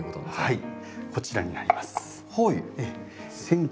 はい。